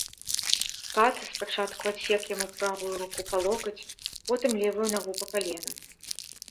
Кат спачатку адсек яму правую руку па локаць, потым левую нагу па калена.